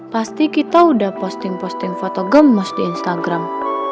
pasti kita udah posting posting foto gemes di instagram